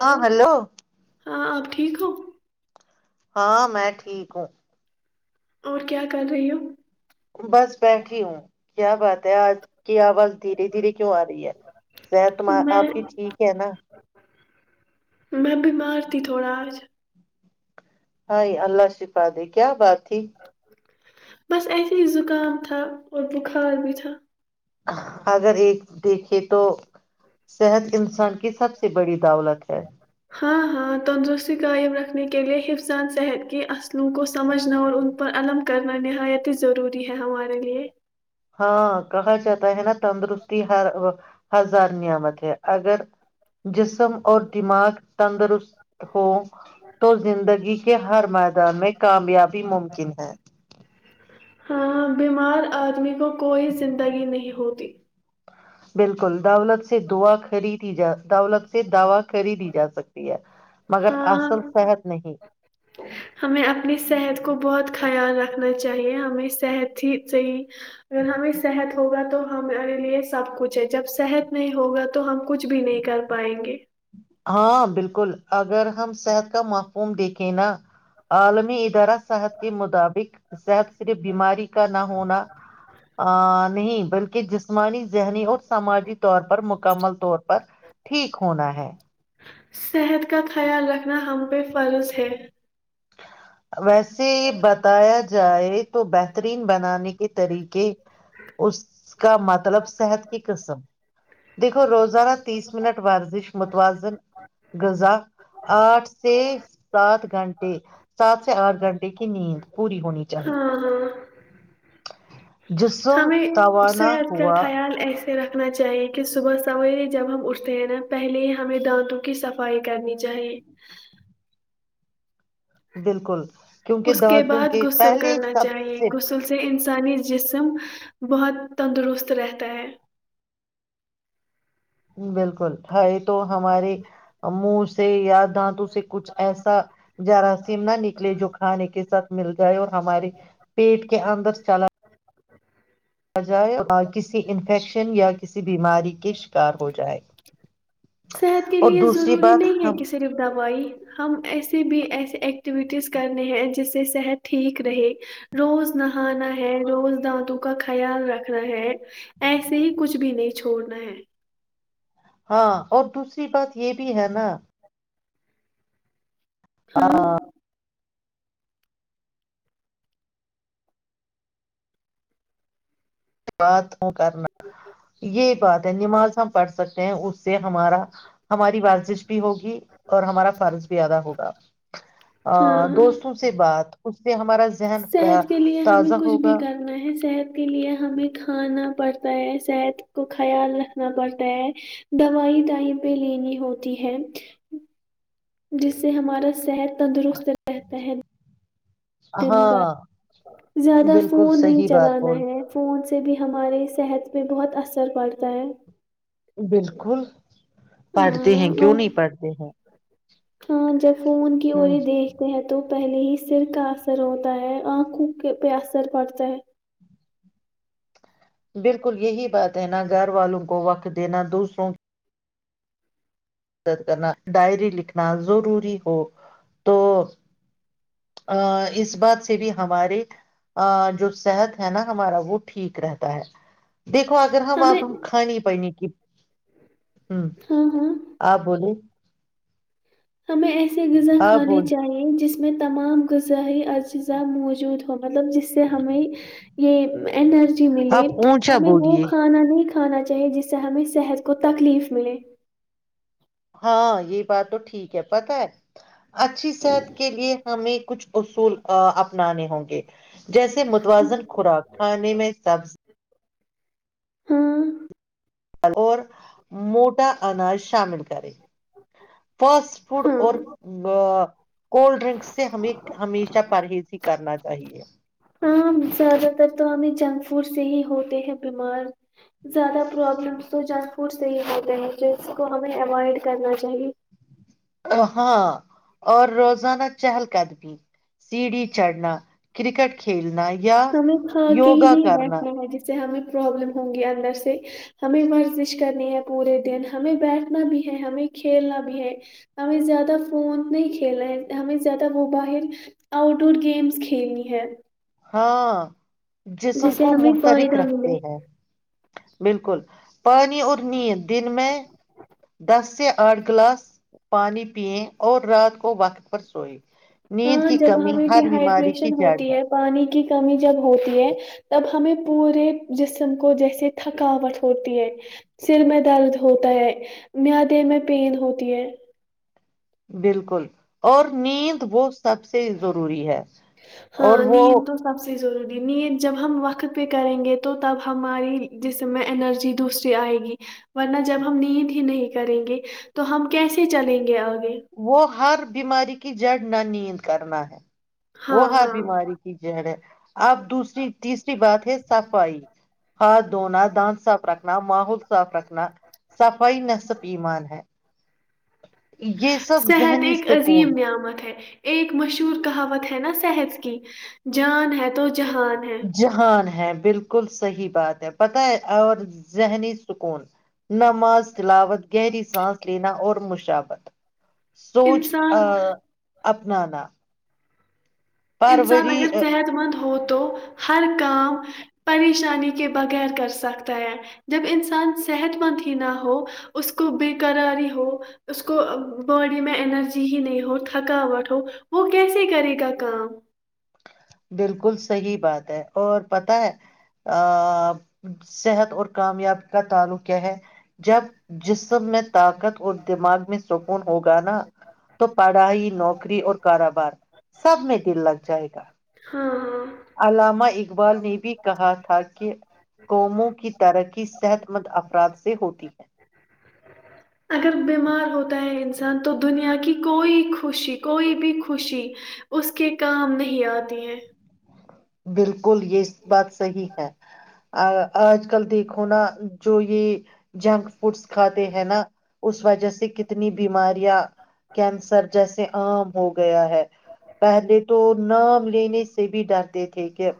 ہاں ہلو ہاں آپ ٹھیک ہو ہاں میں ٹھیک ہوں اور کیا کر رہی ہو بس بیٹھی ہوں کیا بات ہے آج کی آواز دھیرے دھیرے کیوں آ رہی ہے صت تم میں آپ کی ٹھیک ہے نا میں بیمار تھی تھوڑا آج ہائی اللہ شفاادے کیا بات تھی بس ایسے ہی زکام تھا اور بخار بھی تھا اگر ایک دیکھے تو صحت انسان کی سب سے بڑی دولت ہے ہاں ہاں تندرستی قائم رکھنے کے لیے حفظان صحت کی لو کو سمجھنا اور ان پر علم کرنا نہایت ہی ضروری ہے ہمارے لیے ہاں کہا جاتا ہے نا تندرستی ہر ہزار نعمت ہے اگر جسم اور دماغ تندرست ہو تو زندگی ہر میدان میں کامیابی ممکن ہے ہاں بیمار آدمی کو کوئی زندگی نہیں ہوتی بلکل دولت سے دعا خریدی جا دولت سے سے دوا خریدی جا سکتی ہے مگر ہاں اصل صحت نہیں ہمیں اپنی صحت کو بہت خیال رکھنا چاہیے ہمیں صحت ہی صحیح اگر ہمیں صحت ہوگا تو تو ہمارے لیے سب کچھ ہے جب صحت نہیں ہوگا تو ہم کچھ بھی نہیں کر پائیں گے ہاں بلکل اگر ہم صحت کا معفوم دیکھیں نا عالمی ادارہ صحت کے مطابق صحت صرف بیماری کا نہ ہونا نہیں بلکہ جسمانی ذہنی اور سماجی طور پر مکمل طور پر ٹھیک ہونا ہے [inaudible] صحت کا خیال رکھنا ہم بے فالس ہے ویسے بتایا جائے تو بہترین بنانے کے طریقے اس کا مطلب صحت کی قسم دیکھو روز گزا تیس منٹ ورزش متوازن غذہ آٹھ سے سات گھنٹے سات سے آٹھ گھنٹے کی نیند [unintelligible] پوری ہونی چاہیے ہاں [unintelligible] ہاں جسم ہمیں توانا صحت کا ہوا [unintelligible] خیال ایسے رکھنا چاہیے کہ صبح سوے جب ہم اٹھ [unintelligible] تے ہیں نا پہلے ہی ہمیں دانتوں کی صفائی کرنی چاہیے بالکل [unintelligible] اس کے دانتوں بعد غسل پہلے کرنا سب چاہیے سے غسل سے انس [unintelligible] سانی جسم بہت تندرست رہتا ہے [unintelligible] بالکل ہے یہ تو ہمارے منہ سے یاد دانتوں سے کچھ ایسا جراثیم نہ نکلے جو کھانے کے ساتھ [unintelligible] مل جائے اور ہمارے پیٹ [unintelligible] کے اندر چلا جائے اور کسی انفیکشن یا کسی بیماری کے شکار ہو جائے [unintelligible] صحت کے اور لیے دوسری ضروری بات نہیں ہے ہم کہ صرف دوائی ہم ایسے کسی بھی ایسی ایکٹیویٹیز کرنی ہیں جس سے صحت ٹھیک رہے روز نہانا ہے روز دانتوں کا خیال رکھنا ہے ایسے ہی کچھ بھی نہیں چھوڑنا ہے [unintelligible] ہاں اور دوسری بات یہ بھی ہے نا ہاں [inaudible] بات ہوں کرنا یہ بات ہے نماز ہم پڑھ سکتے ہیں اس سے ہمارا ہماری ورزش [unintelligible] بھی ہوگی اور ہمارا فرض بھی زیادا ہوگا ہاں ہاں دوستوں سے بات [unintelligible] سے ہمارا ذہن صحت کے لیے ہمیں تازہ کچھ ہوگا بھی کرنا ہے صحت کے لیے ہمیں کھانا پڑتا ہے صحت کو خیال رکھنا پڑتا ہے دوائی ٹائم پہ لینی ہوتی ہے جس سے ہمارا صحت تندرست رہتا ہے [unintelligible] دن ہاں بد زیادہ بالکل فون نہیں صحیح بات چلانا بول ہے فون سے بھی ہماراری صحت پہ بہت اثر پڑتا ہے بالکل [inaudible] پڑھتے ہیں ہاں کیوں آ- نہیں پڑھتے ہیں ہاں جب [unintelligible] فون کی اور ہ دیکھتے ہیں تو [unintelligible] پہلے ہی سر کا اثر ہوتا ہے آنکھوں پہ اثر پڑتا ہے [unintelligible] بالکل یہی بات ہے نا گھر والوں کو وقت دینا دوسروں [unintelligible] مدد کرنا ڈائری لکھنا ضروری ہو تو ا اس بات سے بھی ہمارے جو صحت ہے نا ہمارا وہ ٹھیک رہتا ہے [unintelligible] دیکھو اگر ہم آپ ہمیں ہم کھے پانی کی [unintelligible] ہوں ہاں ہاں آ بولی [unintelligible] ہمیں ایسے غذا آپ کھانے بول چاہیے جس [unintelligible] اس میں تمام غذہائی اجزاء موجود ہوں مطلب جس سے ہمیں یہ ارجی ملے آپ اونچا ہمیں وہ بولیے کھانا نہیں کھانا چاہیے جس سے ہمیں صحت کو تکلیف ملے ہاں یہ بات تو ٹھیک ہے پت ہے اچھی صحت کے لیے ہمیں کچھ اصول اپنانے ہوں گے جیسے متوازن خوراک کھانے میں سبز ہاں اور موٹ اناج شامل کرے فاسٹ فوڈ اور ہاں ا کولڈ ڈرنکس سے ہمیں ہمیشہ پرہیز ہی کرنا چاہیے ف سے ہی ہوتے ہیں بیمار زیادہ پرابلمس تو ج فوڈ صیح ہوتے ہیں جس کو ہمیں اوائڈ کرنا چاہیے ہاں اور روزانہ چہل قدمی سیڑھی چڑھنا کرکٹ کھیلنا یا ہمیں کھا کے ہی یوگا نہیں کرنا بیٹھنا ہے جیسے ہمیں پروابلم ہوں گی اندر سے ہمیں مرزش کرنی ہے پورے دن ہمیں بیٹھنا بھی ہے ہمیں کھیلنا بھی ہے ہمیں زیادہ فون نہیں کھیلنا ہے ہمیں زیادہ موباہر آؤٹ ڈور گیمس کھیلنی ہے ہاں جس جسم سے کو ہمیں محترک فائدہ رکھتے ملے ہیں بالکل پانی اور نیند دن میں دس سے آٹھ گلاس پانی پیئیں اور رات کو وقت پر سوئے نیند ہاں کی جب کمی ہمیں ڈ ہر بیماری کی ہائیڈریشن جڑ ہوتی ہے پانی کی کمی جب ہوتی ہے تب ہمیں پورے جسم کو جیسے تھکاوٹ ہوتی ہے سر میں درد ہوتا ہے میادے میں پین ہوتی ہے بالکل اور نیند وہ سب سے ضروری ہے اور ہاں وہ نیند تو سب چیز ضروری نیت جب ہم وقت پہ کریں گے تو تب ہماری جس میں انرجی دوسری آئے گی ورنہ جب ہم نیت ہی نہیں کریں گے تو ہم کیسے چلیں گے آگ وہ ہر بیماری کی جڑنا نیند کرنا ہے وہ ہاں ہات ہاں بیماری کی جڑ ہے آپ دوسری تیس بات ہے صفائی ہاتھ دھونا دانت صاف رکھنا ماحول صاف رکھنا صفائی نصف ایمان ہے یہ سب صحت ذہنی ایک سکون عظیم نعمت ہے ایک مشہور کہاوت ہے نا صحت کی کی جان ہے تو جہان ہے جہان ہے بالکل صحیح بات ہے پت ہے اور ذہنی سکون نماز تلاوت گہری سانس لینا اور مشکل ابت سوچ ا انسان اپنانا انسان اگر پروری صحت مند ہو تو ہر کا پریشانی کے بغیر کر سکتا ہے جب انسان صحت مند ہی نہ ہو اس کو بےیکراری ہو اس کو باڈی میں انرجی ہی نہیں ہو تھکاوٹ ہو وہ کیسے کرے گا کام [inaudible] بالکل صحی بات ہے اور پت ہے صحت اور کامیاب کا تعلق کیا ہے جب جسم میں طاقت اور دماغ میں سکون ہوگا نا تو پڑھائی نوکری اور کاروبار سب میں دل لگ جائے گا ہاں ہاں اللاما اقبال نے بھی کہا تھا کہ قوموں کی ترقی صحت مند افراد سے ہوتی ہے اگر بیمار ہوتا ہے انسان تو دنیا کی کوئی خوشی کوئی بھی خوشی اس کے کام نہیں آتی ہے بالکل بالکل یہ بات صحیح ہے آج کل دیکھو نا جو یہ جنک فوڈس کھاتے ہیں نا اس وجہ سے کتنی بیماریاں کینسر جیسے عام ہو گیا ہے پہلے تو نام لینے سے بھی ڈرتے ٹھیک ہے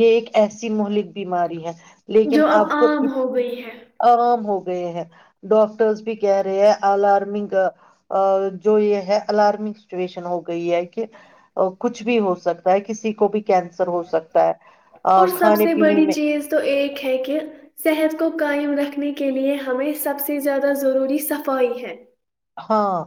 یہ ایک ایسی ملک بیماری ہے لیکن جو اب تو عام ہو گئی ہے اور ہو گئے ہیں ڈاکٹرز بھی کہہ رہے ہیں اللارمیگ ا جوئی ہے الارمنگ سچویشن ہو گئی ہے کہ کچھ بھی ہو سکتا ہے کسی کو بھی کینسر ہو سکتا اور ہے سب کھانے سے پینے بڑی میں چیز تو ایک ہے کہ صحت کو کاائم رکھنے کے لیے ہمیں سب سے زیادہ ضروری صفائی ہے ہاں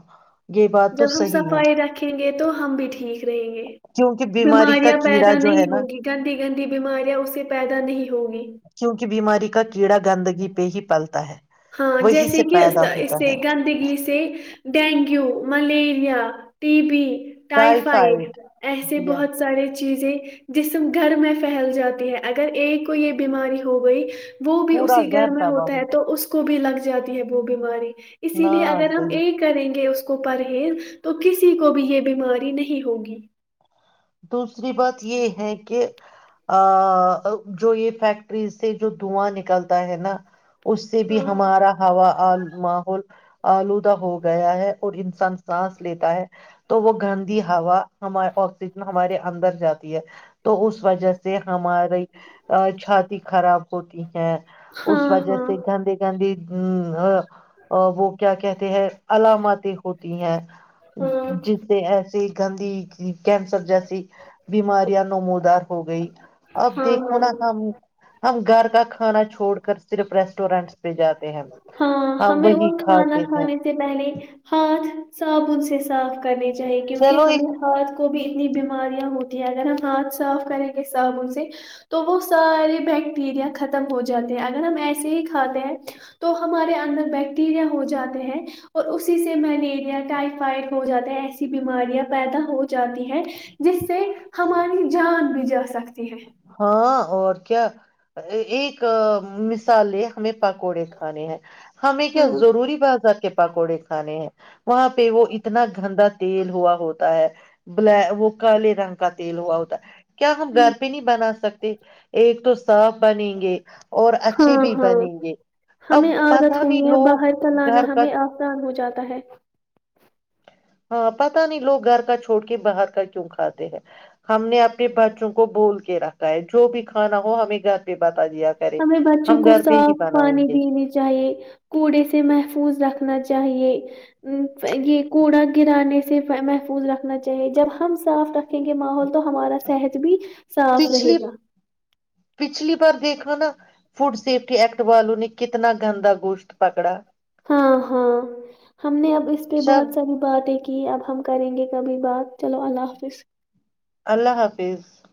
یہ بات تو جب ہم صفائی رکھیں گے تو ہم بھی ٹھیک رہیں گے کیوںکہ بیماری کا بیماریاں کیڑا پیدا جو ہے نہیں نا ہوگی گندی گندی بیماریاں اس سے پیدا نہیں ہوگی کیونکہ بیماری کا کیڑا گندگی پہ ہی پلتا ہے ہاں وہی جیسے سے کہ پیدا اس ہوتا سے ہے گندگی سے dengue malaria T B typhoid typhoid ایسے یس بہت سارے چیزیں جسم گھر میں پھیل جاتی ہے اگر ایک کو یہ بیماری ہو گئی تو وہ بھی اسی گھر میں ہوتا ہے تو اس بھی لگ جاتی ہے وہ بیماری اسی نہ لیے اگر ہم صحیح یہ کریں گے اس کو پرہیز تو کسی کو بھی یہ بیماری نہیں ہوگی دوسری بات یہ ہے کہ جو یہ فیکٹریز سے جو دھواں نکلتا ہے نا اس سے بھی ہاں ہمارا ہوا ماحول آلودہ ہو گیا ہے اور انسان سانس لیتا ہے تو وہ گندی ہوا ہم ہمارے اندر جاتی ہے تو اس وجہ سے ہماری چھات خراب ہوتی ہے اس ہاں وجہ ہاں سے گندے گندے ہوں ہاں وہ کیا کہتے ہیں علاماتیں ہوتی ہیں ہاں جس سے ایسے گاندی کی کیسر جیسی بیماریاں نموودار ہو گئی اب ہاں دیکھو نا ہاں ہم ہم گھر کا کھانا چھوڑ کر صرف ریسٹورینٹس پہ جاتے ہیں ہاں ہم ہمیں وہی اور کھانا کھاتے ہیں کھانے سے پہلے ہاتھ صابن سے صاف کرنی چاہیے کیونکہ چلو ایک ہمیں ہاتھ کو بھی نی بیماریاں ہوتی ہیں اگر ہم ہاتھ صاف کریں گے صابن سے تو وہ سارے بیکٹیریا ختم ہو جاتے ہیں اگر ہم ایسے ہی کھاتے ہیں تو ہمارے اندر بیکٹیریا ہو جاتے ہیں اور اسی سے ملیریا ٹائفائڈ ہو جاتا ہے ایسی بیماریاں پیدا ہو جاتی ہے جس سے ہماری جان بھی جا سکتی ہے ہاں اور کیا ایک م مالے ہمیں پکوڑے کھانے ہیں ہمیں ہاں کیا ضروری بازار کے پکوڑے کھانے ہیں وہاں پہ وہ اتنا گندا تیل ہوا ہوتا ہے بل وہ کالے رنگ کا تیل ہوا ہوتا کیا ہم گھر پہ نہیں نہ سکتے ایک تو صاف بنیں گے اور اچھے ہاں بھی ہاں بنیں گے اب ہمیں پت عادت نہیں ہوئی ہے لوگ باہر کا لانا گھر کا ہمیں آسان ہو جاتا ہے ہاں پتا نہیں لوگ گھر کا چھوڑ کے باہر کا کیوں کھاتے ہیں ہم نے اپنے بچوں کو بول رکھا ہے جو بھی کھانا ہو ہمیں پہ بتا دیا کرے ہمیں بچوں ہم کو گھر پہ ہی صاف بنائیں پانی گے دینی چاہیے کوڑے سے محفوظ رکھنا چاہیے چاہیے یہ کوڑا گرانے سے محفوظ رکھنا چاہیے جب ہم صاف رکھیں گے ماحول کو تو ہمارا صحت بھی صاف رہے پچھلی گا پچھلی بار دیکھو نا فوڈ سیفٹی ایکٹ والوں نے کتنا گندا گوشت پکڑا ہاں ہاں ہم نے اب اس پہ چل بہت ساری باتیں ج اب ہم کریں گے کبھی بات چلو اللہ حافظ اللہ حافظ [unintelligible]